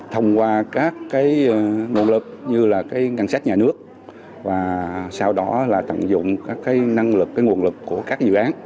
thông qua các nguồn lực như là ngân sách nhà nước và sau đó là tận dụng các năng lực nguồn lực của các dự án